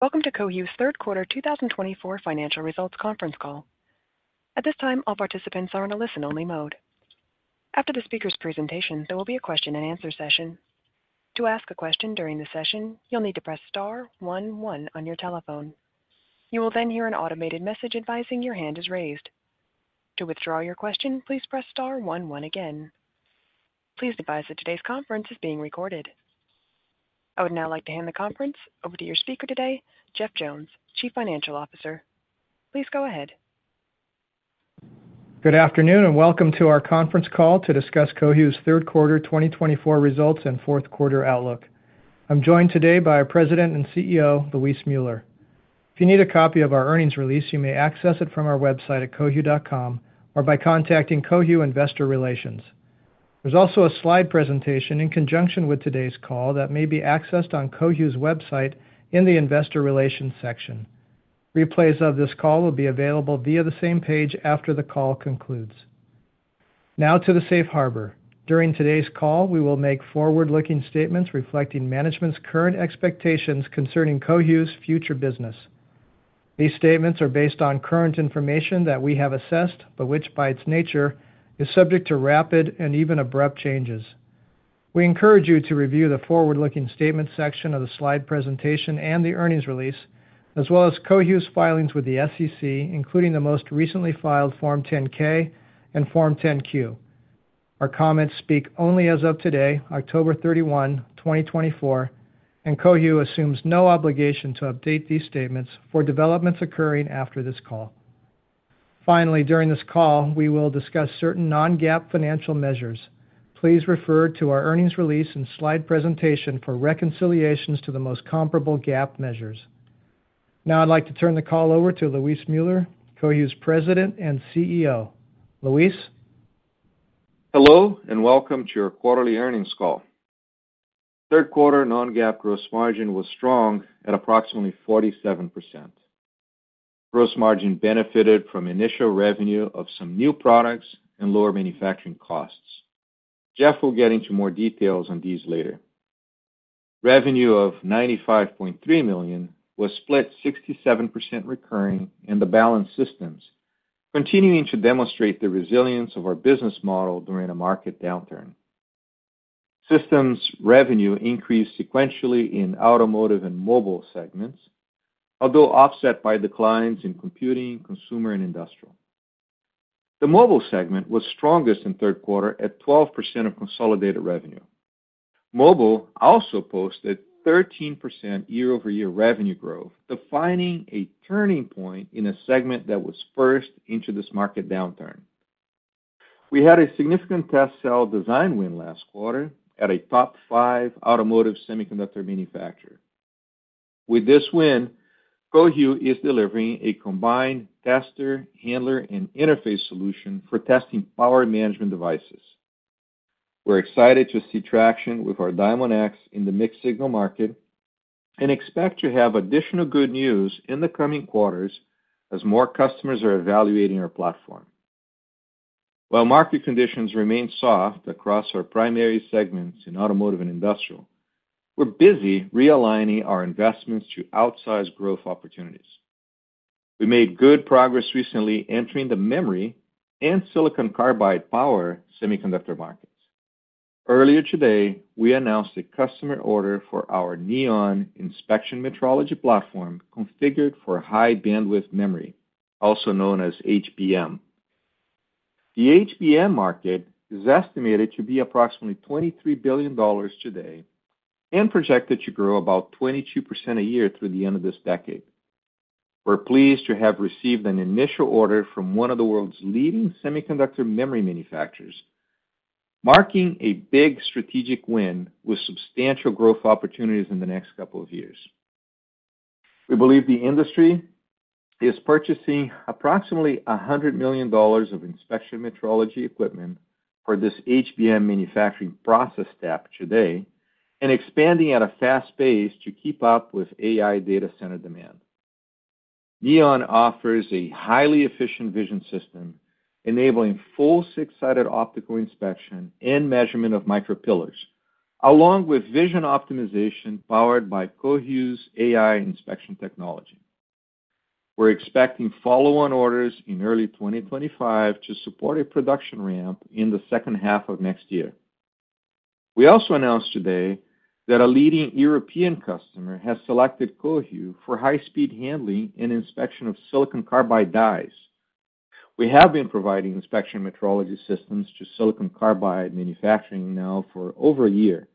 Welcome to Cohu's third quarter 2024 financial results conference call. At this time, all participants are in a listen-only mode. After the speaker's presentation, there will be a question-and-answer session. To ask a question during the session, you'll need to press star 11 on your telephone. You will then hear an automated message advising your hand is raised. To withdraw your question, please press star 11 again. Please advise that today's conference is being recorded. I would now like to hand the conference over to your speaker today, Jeff Jones, Chief Financial Officer. Please go ahead.F Good afternoon and welcome to our conference call to discuss Cohu's third quarter 2024 results and fourth quarter outlook. I'm joined today by our President and CEO, Luis Müller. If you need a copy of our earnings release, you may access it from our website at cohu.com or by contacting Cohu Investor Relations. There's also a slide presentation in conjunction with today's call that may be accessed on Cohu's website in the Investor Relations section. Replays of this call will be available via the same page after the call concludes. Now to the safe harbor. During today's call, we will make forward-looking statements reflecting management's current expectations concerning Cohu's future business. These statements are based on current information that we have assessed, but which by its nature is subject to rapid and even abrupt changes. We encourage you to review the forward-looking statement section of the slide presentation and the earnings release, as well as Cohu's filings with the SEC, including the most recently filed Form 10-K and Form 10-Q. Our comments speak only as of today, October 31, 2024, and Cohu assumes no obligation to update these statements for developments occurring after this call. Finally, during this call, we will discuss certain non-GAAP financial measures. Please refer to our earnings release and slide presentation for reconciliations to the most comparable GAAP measures. Now I'd like to turn the call over to Luis Müller, Cohu's President and CEO. Luis? Hello and welcome to your quarterly earnings call. Third quarter non-GAAP gross margin was strong at approximately 47%. Gross margin benefited from initial revenue of some new products and lower manufacturing costs. Jeff will get into more details on these later. Revenue of $95.3 million was split 67% recurring in the back-end systems, continuing to demonstrate the resilience of our business model during a market downturn. Systems revenue increased sequentially in automotive and mobile segments, although offset by declines in computing, consumer, and industrial. The mobile segment was strongest in third quarter at 12% of consolidated revenue. Mobile also posted 13% year-over-year revenue growth, defining a turning point in a segment that was first into this market downturn. We had a significant test cell design win last quarter at a top five automotive semiconductor manufacturer. With this win, Cohu is delivering a combined tester, handler, and interface solution for testing power management devices. We're excited to see traction with our Diamondx in the mixed-signal market and expect to have additional good news in the coming quarters as more customers are evaluating our platform. While market conditions remain soft across our primary segments in automotive and industrial, we're busy realigning our investments to outsize growth opportunities. We made good progress recently entering the memory and silicon carbide power semiconductor markets. Earlier today, we announced a customer order for our Neon inspection metrology platform configured for high bandwidth memory, also known as HBM. The HBM market is estimated to be approximately $23 billion today and projected to grow about 22% a year through the end of this decade. We're pleased to have received an initial order from one of the world's leading semiconductor memory manufacturers, marking a big strategic win with substantial growth opportunities in the next couple of years. We believe the industry is purchasing approximately $100 million of inspection metrology equipment for this HBM manufacturing process stack today and expanding at a fast pace to keep up with AI data center demand. Neon offers a highly efficient vision system enabling full six-sided optical inspection and measurement of micropillars, along with vision optimization powered by Cohu's AI inspection technology. We're expecting follow-on orders in early 2025 to support a production ramp in the second half of next year. We also announced today that a leading European customer has selected Cohu for high-speed handling and inspection of silicon carbide dies. We have been providing inspection metrology systems to silicon carbide manufacturing now for over a year,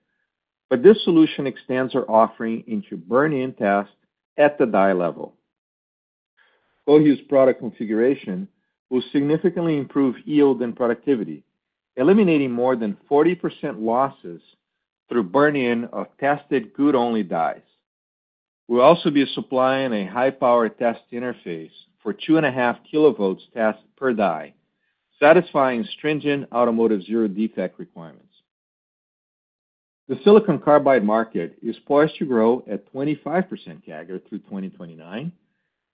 but this solution extends our offering into burn-in test at the die level. Cohu's product configuration will significantly improve yield and productivity, eliminating more than 40% losses through burn-in of tested good-only dies. We'll also be supplying a high-power test interface for 2.5 kilovolts test per die, satisfying stringent automotive zero defect requirements. The silicon carbide market is poised to grow at 25% CAGR through 2029,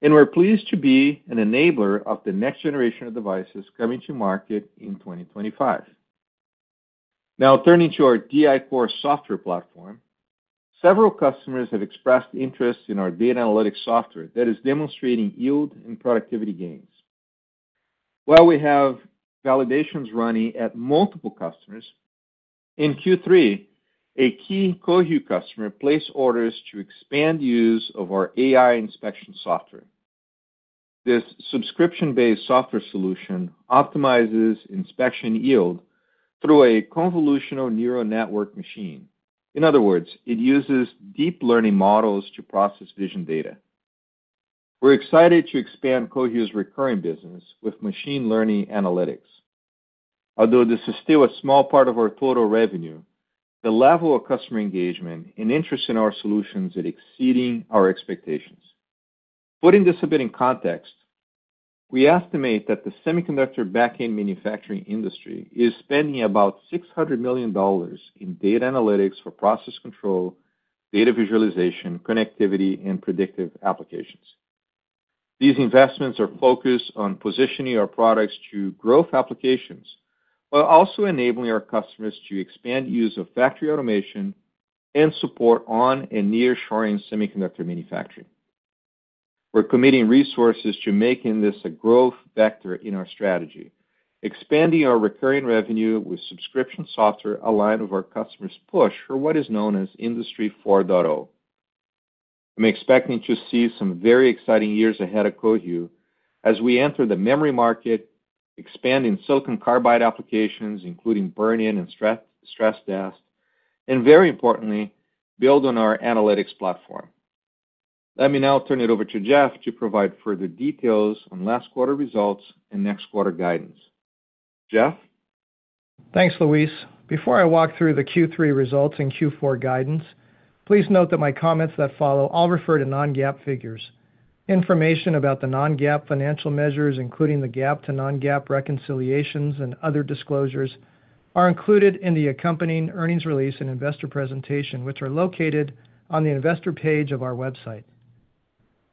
and we're pleased to be an enabler of the next generation of devices coming to market in 2025. Now, turning to our DI-Core software platform, several customers have expressed interest in our data analytics software that is demonstrating yield and productivity gains. While we have validations running at multiple customers, in Q3, a key Cohu customer placed orders to expand use of our AI inspection software. This subscription-based software solution optimizes inspection yield through a convolutional neural network machine. In other words, it uses deep learning models to process vision data. We're excited to expand Cohu's recurring business with machine learning analytics. Although this is still a small part of our total revenue, the level of customer engagement and interest in our solutions is exceeding our expectations. Putting this a bit in context, we estimate that the semiconductor back-end manufacturing industry is spending about $600 million in data analytics for process control, data visualization, connectivity, and predictive applications. These investments are focused on positioning our products to growth applications while also enabling our customers to expand use of factory automation and support onshoring and nearshoring semiconductor manufacturing. We're committing resources to making this a growth vector in our strategy, expanding our recurring revenue with subscription software aligned with our customers' push for what is known as Industry 4.0. I'm expecting to see some very exciting years ahead at Cohu as we enter the memory market, expanding silicon carbide applications, including burn-in and stress test, and very importantly, build on our analytics platform. Let me now turn it over to Jeff to provide further details on last quarter results and next quarter guidance. Jeff? Thanks, Luis. Before I walk through the Q3 results and Q4 guidance, please note that my comments that follow all refer to non-GAAP figures. Information about the non-GAAP financial measures, including the GAAP to non-GAAP reconciliations and other disclosures, are included in the accompanying earnings release and investor presentation, which are located on the investor page of our website.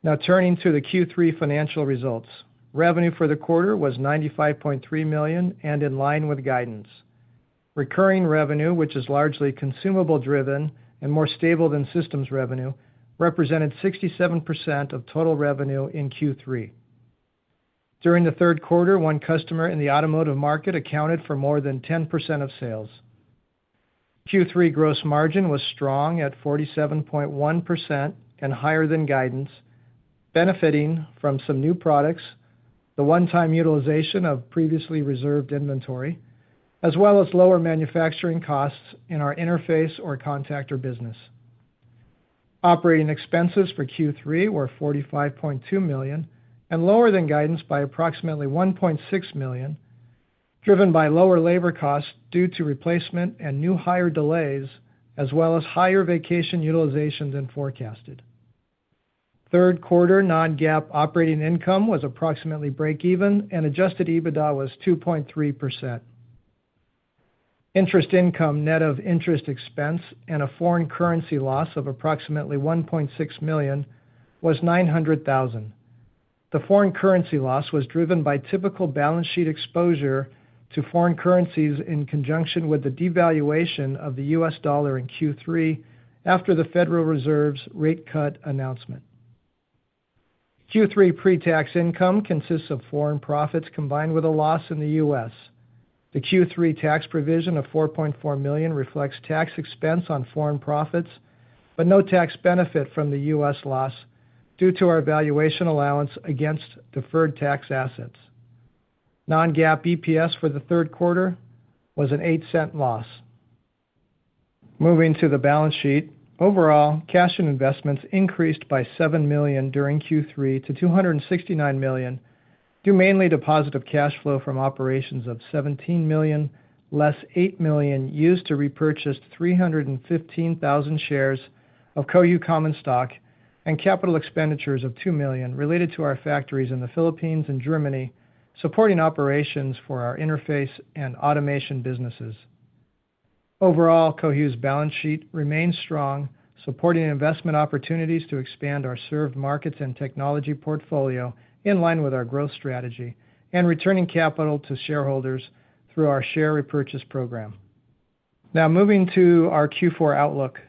Now, turning to the Q3 financial results, revenue for the quarter was $95.3 million and in line with guidance. Recurring revenue, which is largely consumable-driven and more stable than systems revenue, represented 67% of total revenue in Q3. During the third quarter, one customer in the automotive market accounted for more than 10% of sales. Q3 gross margin was strong at 47.1% and higher than guidance, benefiting from some new products, the one-time utilization of previously reserved inventory, as well as lower manufacturing costs in our interface or contactor business. Operating expenses for Q3 were $45.2 million and lower than guidance by approximately $1.6 million, driven by lower labor costs due to replacement and new hire delays, as well as higher vacation utilization than forecasted. Third quarter non-GAAP operating income was approximately breakeven, and adjusted EBITDA was 2.3%. Interest income net of interest expense and a foreign currency loss of approximately $1.6 million was $900,000. The foreign currency loss was driven by typical balance sheet exposure to foreign currencies in conjunction with the devaluation of the U.S. dollar in Q3 after the Federal Reserve's rate cut announcement. Q3 pre-tax income consists of foreign profits combined with a loss in the U.S. The Q3 tax provision of $4.4 million reflects tax expense on foreign profits, but no tax benefit from the U.S. loss due to our valuation allowance against deferred tax assets. Non-GAAP EPS for the third quarter was a $0.08 loss. Moving to the balance sheet, overall cash and investments increased by $7 million during Q3 to $269 million, due mainly to positive cash flow from operations of $17 million, less $8 million used to repurchase 315,000 shares of Cohu Common Stock and capital expenditures of $2 million related to our factories in the Philippines and Germany, supporting operations for our interface and automation businesses. Overall, Cohu's balance sheet remains strong, supporting investment opportunities to expand our serve markets and technology portfolio in line with our growth strategy and returning capital to shareholders through our share repurchase program. Now, moving to our Q4 outlook,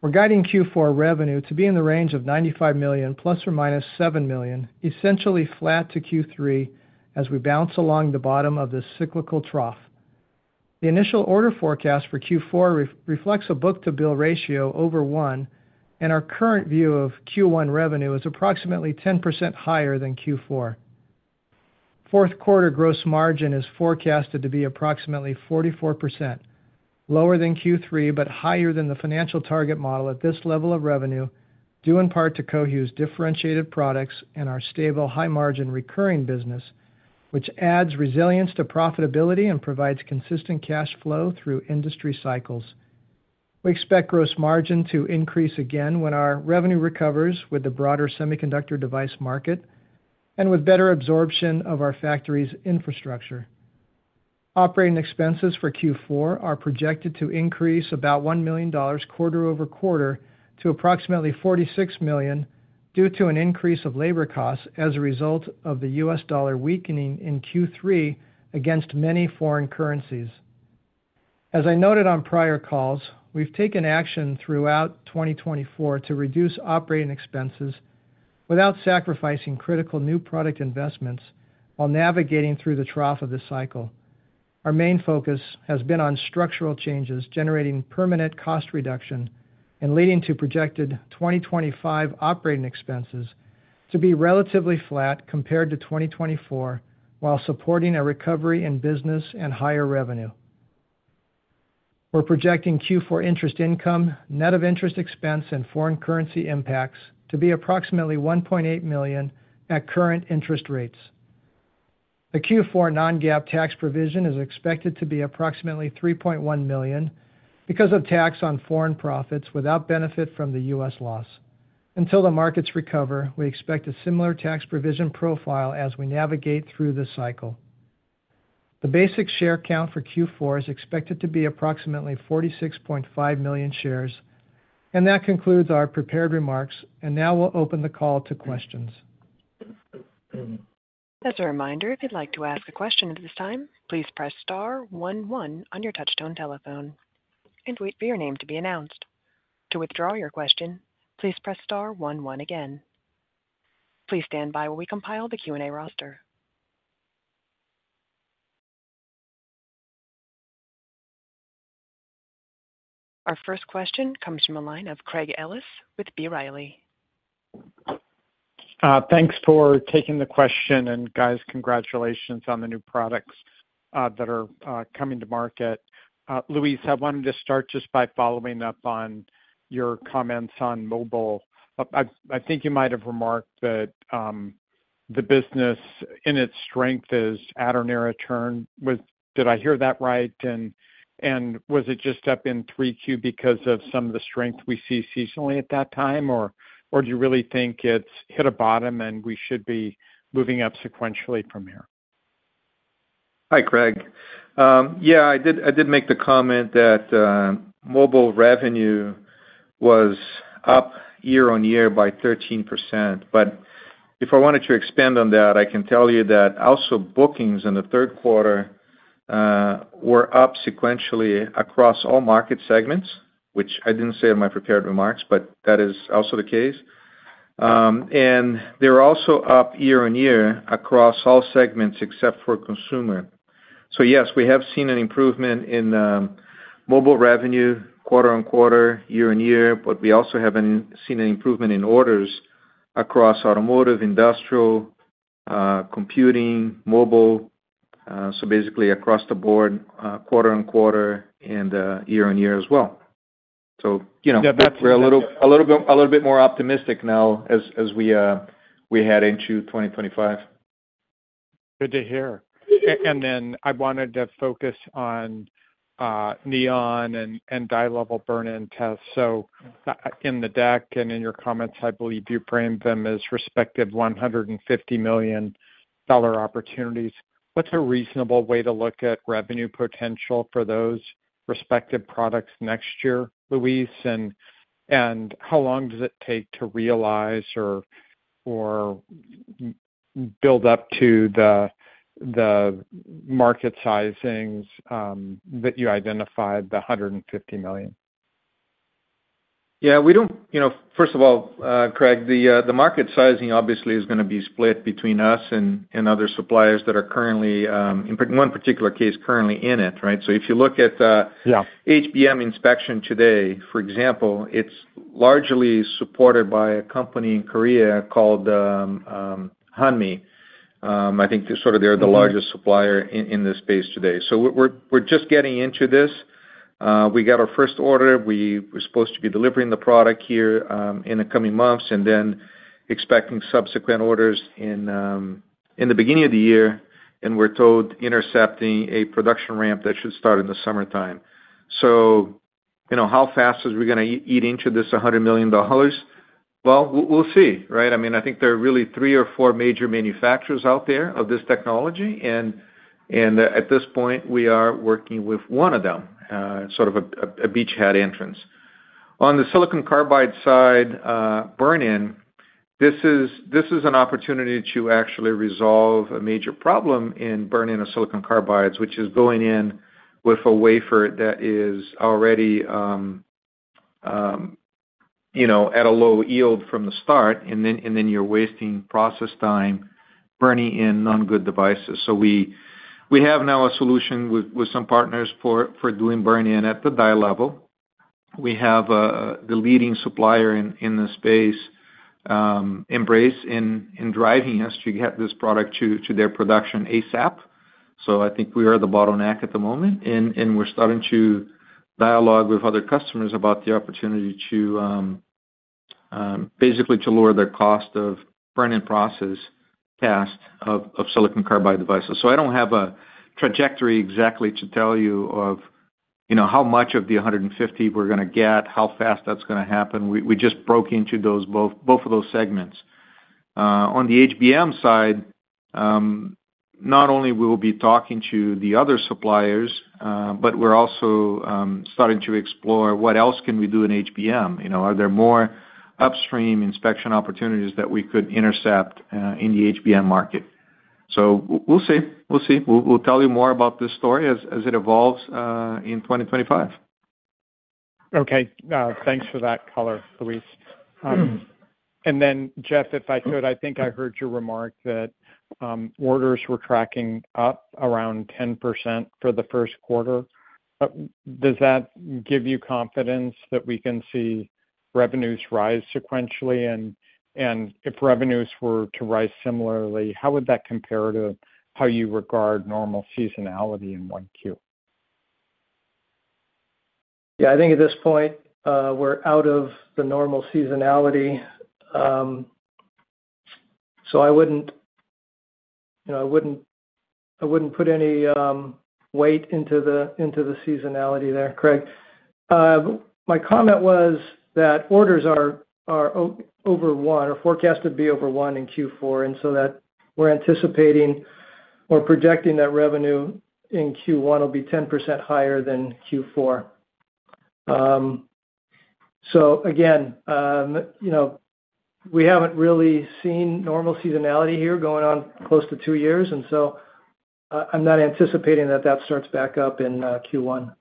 we're guiding Q4 revenue to be in the range of $95 million, plus or minus $7 million, essentially flat to Q3 as we bounce along the bottom of this cyclical trough. The initial order forecast for Q4 reflects a book-to-bill ratio over one, and our current view of Q1 revenue is approximately 10% higher than Q4. Fourth quarter gross margin is forecasted to be approximately 44%, lower than Q3, but higher than the financial target model at this level of revenue, due in part to Cohu's differentiated products and our stable, high-margin recurring business, which adds resilience to profitability and provides consistent cash flow through industry cycles. We expect gross margin to increase again when our revenue recovers with the broader semiconductor device market and with better absorption of our factories' infrastructure. Operating expenses for Q4 are projected to increase about $1 million quarter over quarter to approximately $46 million due to an increase of labor costs as a result of the U.S. dollar weakening in Q3 against many foreign currencies. As I noted on prior calls, we've taken action throughout 2024 to reduce operating expenses without sacrificing critical new product investments while navigating through the trough of this cycle. Our main focus has been on structural changes generating permanent cost reduction and leading to projected 2025 operating expenses to be relatively flat compared to 2024 while supporting a recovery in business and higher revenue. We're projecting Q4 interest income, net of interest expense, and foreign currency impacts to be approximately $1.8 million at current interest rates. The Q4 non-GAAP tax provision is expected to be approximately $3.1 million because of tax on foreign profits without benefit from the U.S. loss. Until the markets recover, we expect a similar tax provision profile as we navigate through this cycle. The basic share count for Q4 is expected to be approximately 46.5 million shares, and that concludes our prepared remarks, and now we'll open the call to questions. As a reminder, if you'd like to ask a question at this time, please press star 11 on your touch-tone telephone and wait for your name to be announced. To withdraw your question, please press star 11 again. Please stand by while we compile the Q&A roster. Our first question comes from a line of Craig Ellis with B. Riley. Thanks for taking the question, and guys, congratulations on the new products that are coming to market. Luis, I wanted to start just by following up on your comments on mobile. I think you might have remarked that the business, in its strength, is at or near a turn. Did I hear that right? And was it just up in 3Q because of some of the strength we see seasonally at that time, or do you really think it's hit a bottom and we should be moving up sequentially from here? Hi, Craig. Yeah, I did make the comment that mobile revenue was up year on year by 13%, but if I wanted to expand on that, I can tell you that also bookings in the third quarter were up sequentially across all market segments, which I didn't say in my prepared remarks, but that is also the case, and they're also up year on year across all segments except for consumer, so yes, we have seen an improvement in mobile revenue quarter on quarter, year on year, but we also have seen an improvement in orders across automotive, industrial, computing, mobile, so basically across the board quarter on quarter and year on year as well, so we're a little bit more optimistic now as we head into 2025. Good to hear. And then I wanted to focus on Neon and die-level burn-in tests. So in the deck and in your comments, I believe you framed them as respective $150 million opportunities. What's a reasonable way to look at revenue potential for those respective products next year, Luis? And how long does it take to realize or build up to the market sizings that you identified, the $150 million? Yeah, we don't, first of all, Craig, the market sizing obviously is going to be split between us and other suppliers that are currently, in one particular case, currently in it, right? So if you look at HBM inspection today, for example, it's largely supported by a company in Korea called Hanmi. I think sort of they're the largest supplier in this space today. So we're just getting into this. We got our first order. We were supposed to be delivering the product here in the coming months and then expecting subsequent orders in the beginning of the year, and we're told intercepting a production ramp that should start in the summertime. So how fast are we going to eat into this $100 million? Well, we'll see, right? I mean, I think there are really three or four major manufacturers out there of this technology, and at this point, we are working with one of them, sort of a beachhead entrance. On the silicon carbide side, burn-in, this is an opportunity to actually resolve a major problem in burn-in of silicon carbides, which is going in with a wafer that is already at a low yield from the start, and then you're wasting process time burning in non-good devices. So we have now a solution with some partners for doing burn-in at the die level. We have the leading supplier in the space, Embrace, in driving us to get this product to their production ASAP. So I think we are the bottleneck at the moment, and we're starting to dialogue with other customers about the opportunity to basically lower their cost of burn-in process task of silicon carbide devices. So I don't have a trajectory exactly to tell you of how much of the $150 we're going to get, how fast that's going to happen. We just broke into both of those segments. On the HBM side, not only will we be talking to the other suppliers, but we're also starting to explore what else can we do in HBM. Are there more upstream inspection opportunities that we could intercept in the HBM market? So we'll see. We'll see. We'll tell you more about this story as it evolves in 2025. Okay. Thanks for that color, Luis. And then, Jeff, if I could, I think I heard your remark that orders were tracking up around 10% for the first quarter. Does that give you confidence that we can see revenues rise sequentially? And if revenues were to rise similarly, how would that compare to how you regard normal seasonality in 1Q? Yeah, I think at this point, we're out of the normal seasonality. So I wouldn't put any weight into the seasonality there, Craig. My comment was that orders are over one or forecast to be over one in Q4, and so that we're anticipating or projecting that revenue in Q1 will be 10% higher than Q4. So again, we haven't really seen normal seasonality here going on close to two years, and so I'm not anticipating that that starts back up in Q1.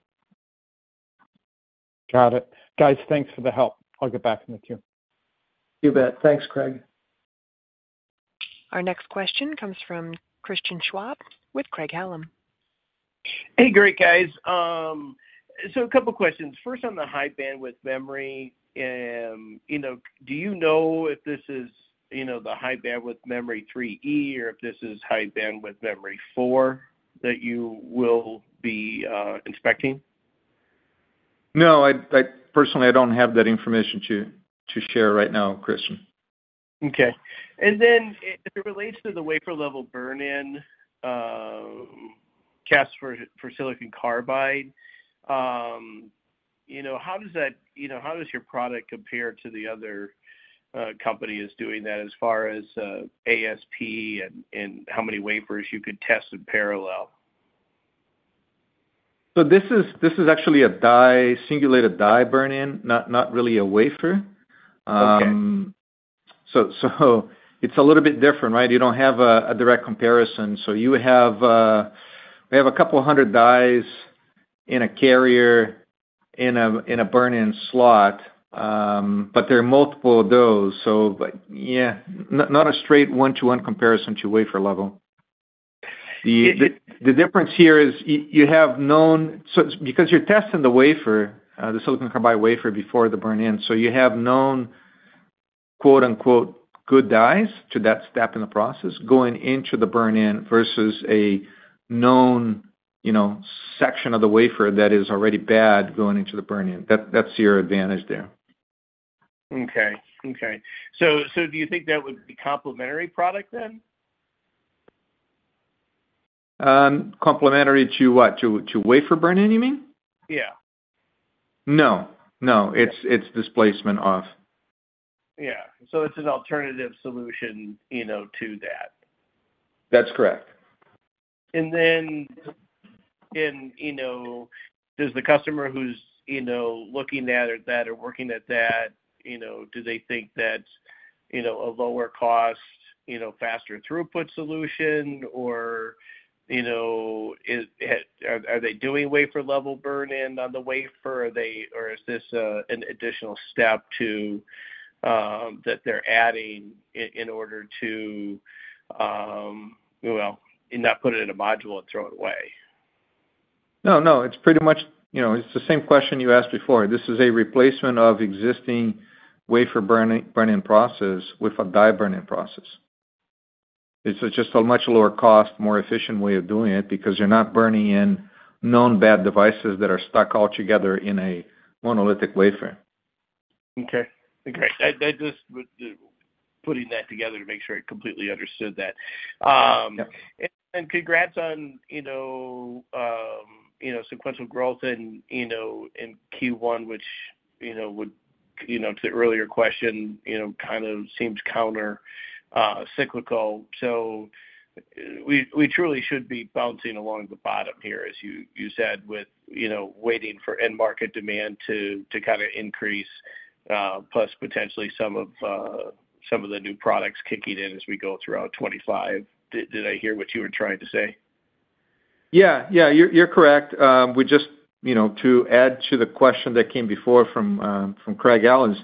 Got it. Guys, thanks for the help. I'll get back in the queue. You bet. Thanks, Craig. Our next question comes from Christian Schwab with Craig-Hallum. Hey, great, guys. So a couple of questions. First, on the High Bandwidth Memory, do you know if this is the High Bandwidth Memory 3E or if this is High Bandwidth Memory 4 that you will be inspecting? No, personally, I don't have that information to share right now, Christian. Okay. And then as it relates to the wafer-level burn-in test for Silicon Carbide, how does your product compare to the other companies doing that as far as ASP and how many wafers you could test in parallel? So this is actually a die simulated die burn-in, not really a wafer. So it's a little bit different, right? You don't have a direct comparison. So we have a couple of hundred dies in a carrier in a burn-in slot, but there are multiple of those. So yeah, not a straight one-to-one comparison to wafer level. The difference here is you have known because you're testing the wafer, the silicon carbide wafer before the burn-in, so you have known "good dies" to that step in the process going into the burn-in versus a known section of the wafer that is already bad going into the burn-in. That's your advantage there. Okay. So do you think that would be complementary product then? Complementary to what? To wafer burn-in, you mean? Yeah. No. No. It's displacement off. Yeah, so it's an alternative solution to that. That's correct. And then does the customer who's looking at that or working at that, do they think that a lower cost, faster throughput solution, or are they doing wafer-level burn-in on the wafer, or is this an additional step that they're adding in order to, well, not put it in a module and throw it away? No, no. It's pretty much the same question you asked before. This is a replacement of existing wafer burn-in process with a die burn-in process. It's just a much lower cost, more efficient way of doing it because you're not burning in known bad devices that are stuck altogether in a monolithic wafer. Okay. Great. I just was putting that together to make sure I completely understood that. And congrats on sequential growth in Q1, which would, to the earlier question, kind of seems countercyclical. So we truly should be bouncing along the bottom here, as you said, with waiting for end market demand to kind of increase, plus potentially some of the new products kicking in as we go throughout 2025. Did I hear what you were trying to say? Yeah. Yeah. You're correct. To add to the question that came before from Craig Ellis's,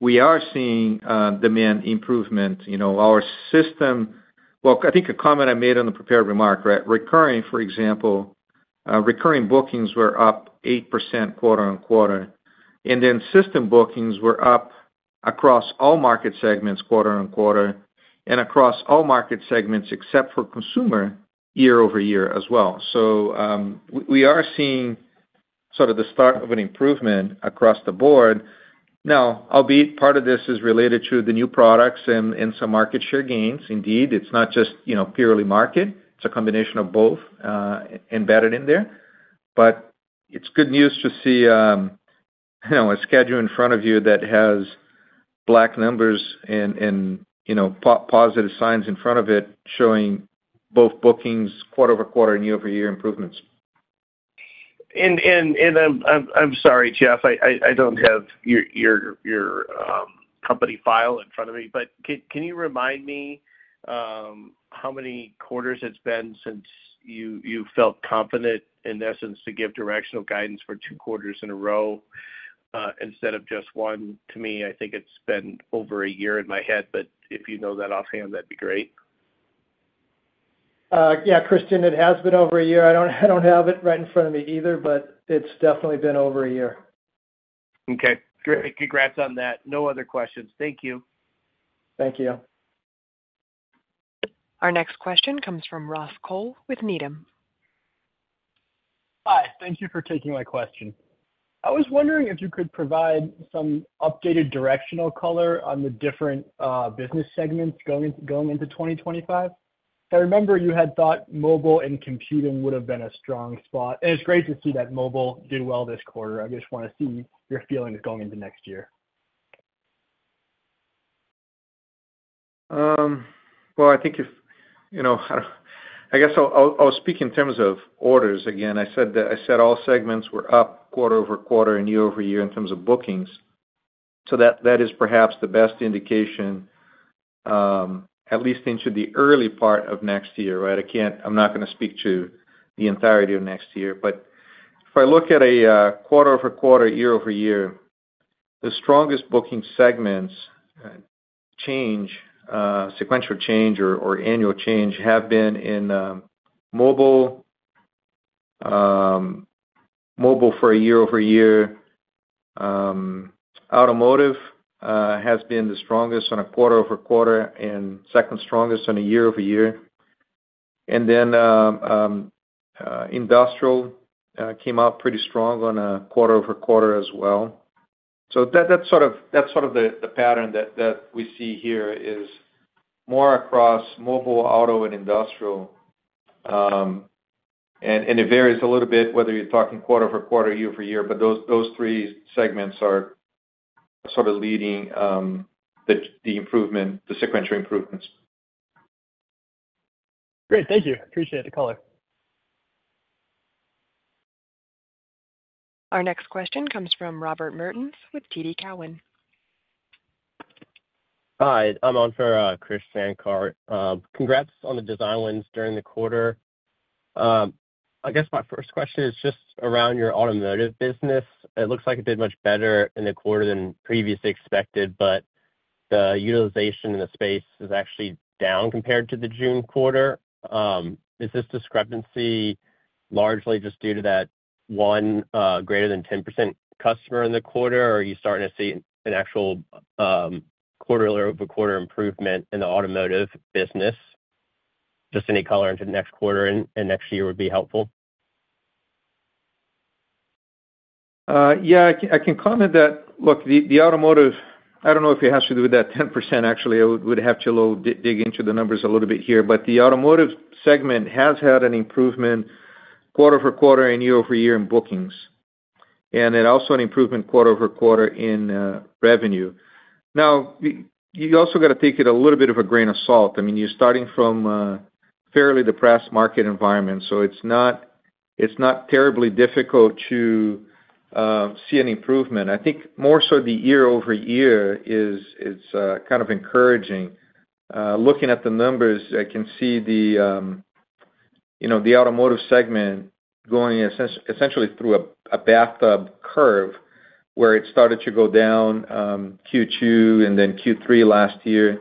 we are seeing demand improvement. Our system, well, I think a comment I made on the prepared remarks, right? Recurring, for example, recurring bookings were up 8%, and then system bookings were up across all market segments and across all market segments except for consumer year over year as well. So we are seeing sort of the start of an improvement across the board. Now, albeit part of this is related to the new products and some market share gains. Indeed, it's not just purely market. It's a combination of both embedded in there. But it's good news to see a schedule in front of you that has black numbers and positive signs in front of it showing both bookings quarter over quarter and year over year improvements. I'm sorry, Jeff. I don't have your company file in front of me, but can you remind me how many quarters it's been since you felt confident, in essence, to give directional guidance for two quarters in a row instead of just one? To me, I think it's been over a year in my head, but if you know that offhand, that'd be great. Yeah, Christian, it has been over a year. I don't have it right in front of me either, but it's definitely been over a year. Okay. Great. Congrats on that. No other questions. Thank you. Thank you. Our next question comes from Ross Cole with Needham. Hi. Thank you for taking my question. I was wondering if you could provide some updated directional color on the different business segments going into 2025. I remember you had thought mobile and computing would have been a strong spot. And it's great to see that mobile did well this quarter. I just want to see your feelings going into next year. I think if I guess I'll speak in terms of orders. Again, I said all segments were up quarter over quarter and year over year in terms of bookings. So that is perhaps the best indication, at least into the early part of next year, right? I'm not going to speak to the entirety of next year, but if I look at a quarter over quarter, year over year, the strongest booking segments change, sequential change or annual change have been in mobile for a year over year. Automotive has been the strongest on a quarter over quarter and second strongest on a year over year, and then industrial came out pretty strong on a quarter over quarter as well. That's sort of the pattern that we see here is more across mobile, auto, and industrial. It varies a little bit whether you're talking quarter over quarter, year over year, but those three segments are sort of leading the improvement, the sequential improvements. Great. Thank you. Appreciate the color. Our next question comes from Robert Mertens with TD Cowen. Hi. I'm on for Krish Sankar. Congrats on the design wins during the quarter. I guess my first question is just around your automotive business. It looks like it did much better in the quarter than previously expected, but the utilization in the space is actually down compared to the June quarter. Is this discrepancy largely just due to that one greater than 10% customer in the quarter, or are you starting to see an actual quarter over quarter improvement in the automotive business? Just any color into the next quarter and next year would be helpful. Yeah. I can comment that. Look, the automotive, I don't know if it has to do with that 10%. Actually, I would have to dig into the numbers a little bit here. But the automotive segment has had an improvement quarter over quarter and year over year in bookings. And it also had an improvement quarter over quarter in revenue. Now, you also got to take it a little bit of a grain of salt. I mean, you're starting from a fairly depressed market environment, so it's not terribly difficult to see an improvement. I think more so the year over year is kind of encouraging. Looking at the numbers, I can see the automotive segment going essentially through a bathtub curve where it started to go down Q2 and then Q3 last year.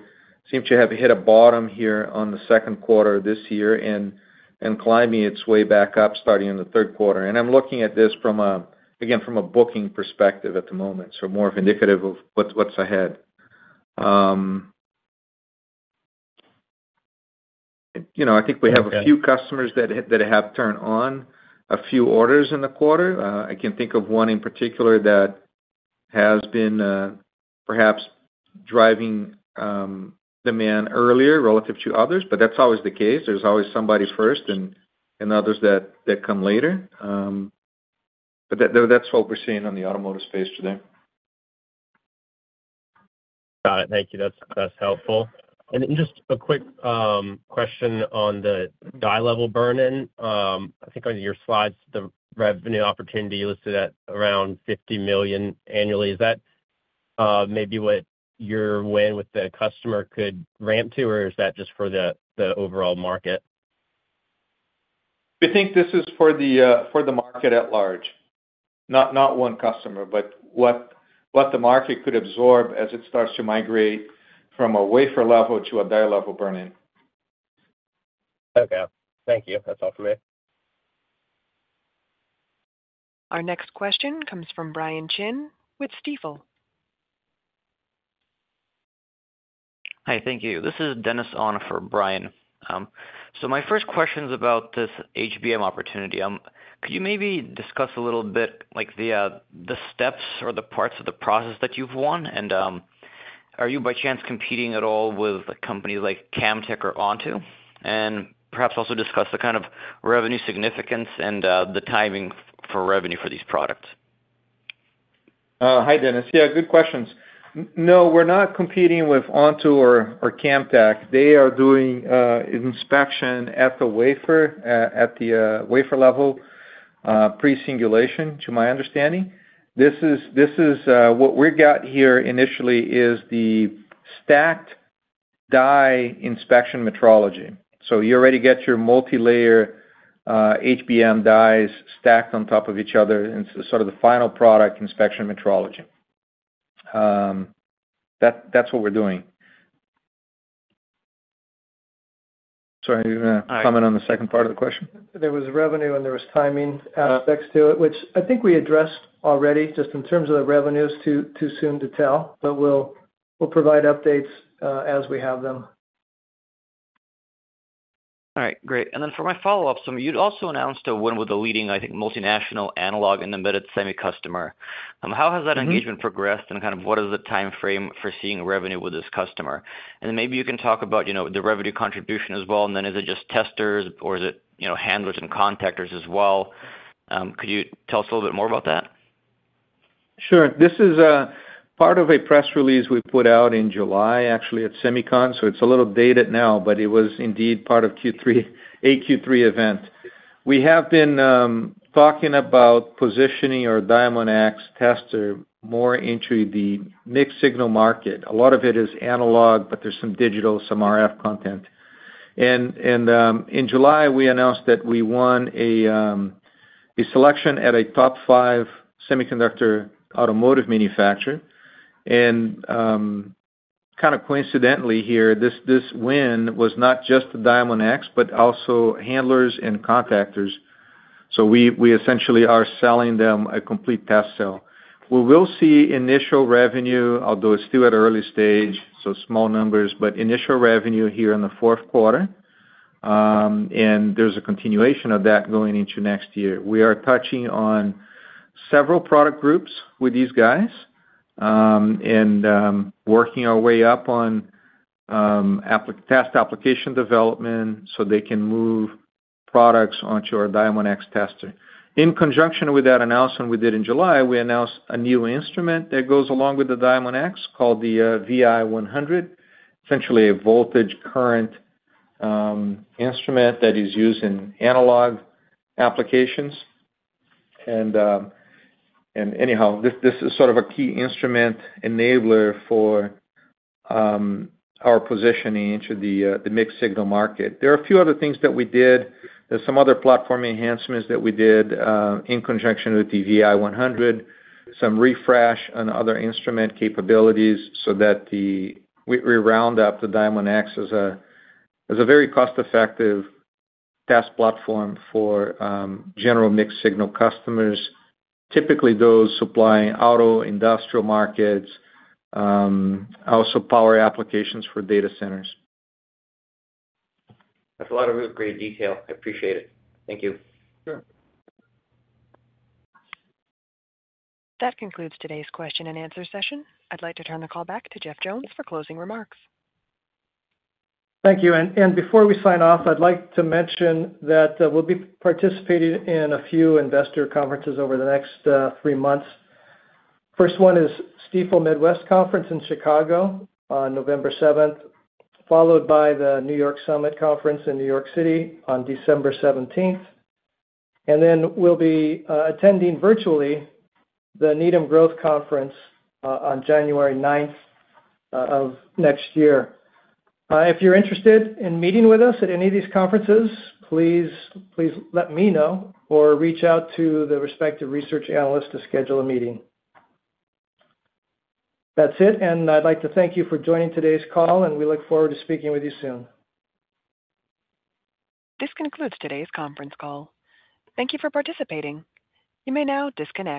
Seemed to have hit a bottom here on the second quarter this year and climbing its way back up starting in the third quarter, and I'm looking at this again from a booking perspective at the moment, so more of an indicative of what's ahead. I think we have a few customers that have turned on a few orders in the quarter. I can think of one in particular that has been perhaps driving demand earlier relative to others, but that's always the case. There's always somebody first and others that come later. But that's what we're seeing on the automotive space today. Got it. Thank you. That's helpful, and just a quick question on the die level burn-in. I think on your slides, the revenue opportunity listed at around $50 million annually. Is that maybe what your win with the customer could ramp to, or is that just for the overall market? We think this is for the market at large. Not one customer, but what the market could absorb as it starts to migrate from a wafer level to a die level burn-in. Okay. Thank you. That's all for me. Our next question comes from Brian Chin with Stifel. Hi. Thank you. This is Dennis on for Brian. So my first question is about this HBM opportunity. Could you maybe discuss a little bit the steps or the parts of the process that you've won, and are you by chance competing at all with companies like Camtek or Onto? And perhaps also discuss the kind of revenue significance and the timing for revenue for these products? Hi, Dennis. Yeah, good questions. No, we're not competing with Onto or Camtek. They are doing inspection at the wafer level, pre-singulation, to my understanding. This is what we've got here initially is the stacked die inspection metrology. So you already get your multi-layer HBM dies stacked on top of each other, and it's sort of the final product inspection metrology. That's what we're doing. So are you comment on the second part of the question? There was revenue and there was timing aspects to it, which I think we addressed already just in terms of the revenues. Too soon to tell, but we'll provide updates as we have them. All right. Great. And then for my follow-up, you'd also announced a win with a leading, I think, multinational analog and embedded semiconductor customer. How has that engagement progressed, and kind of what is the timeframe for seeing revenue with this customer? And maybe you can talk about the revenue contribution as well. And then is it just testers, or is it handlers and contactors as well? Could you tell us a little bit more about that? Sure. This is part of a press release we put out in July, actually, at Semicon. So it's a little dated now, but it was indeed part of a Q3 event. We have been talking about positioning our Diamondx tester more into the mixed signal market. A lot of it is analog, but there's some digital, some RF content. And in July, we announced that we won a selection at a top five semiconductor automotive manufacturer. And kind of coincidentally here, this win was not just the Diamondx, but also handlers and contactors. So we essentially are selling them a complete test cell. We will see initial revenue, although it's still at an early stage, so small numbers, but initial revenue here in the fourth quarter. And there's a continuation of that going into next year. We are touching on several product groups with these guys and working our way up on test application development so they can move products onto our Diamondx tester. In conjunction with that announcement we did in July, we announced a new instrument that goes along with the Diamondx called the VI100, essentially a voltage current instrument that is used in analog applications. And anyhow, this is sort of a key instrument enabler for our positioning into the mixed signal market. There are a few other things that we did. There's some other platform enhancements that we did in conjunction with the VI100, some refresh on other instrument capabilities so that we round up the Diamondx as a very cost-effective test platform for general mixed signal customers, typically those supplying auto, industrial markets, also power applications for data centers. That's a lot of great detail. I appreciate it. Thank you. Sure. That concludes today's question and answer session. I'd like to turn the call back to Jeff Jones for closing remarks. Thank you. And before we sign off, I'd like to mention that we'll be participating in a few investor conferences over the next three months. First one is Stifel Midwest Conference in Chicago on November 7th, followed by the New York Summit Conference in New York City on December 17th. And then we'll be attending virtually the Needham Growth Conference on January 9th of next year. If you're interested in meeting with us at any of these conferences, please let me know or reach out to the respective research analyst to schedule a meeting. That's it. And I'd like to thank you for joining today's call, and we look forward to speaking with you soon. This concludes today's conference call. Thank you for participating. You may now disconnect.